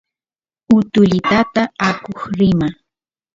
utulitata akush rima